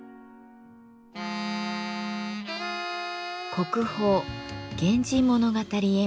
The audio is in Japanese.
国宝「源氏物語絵巻」